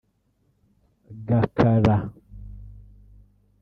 Gakara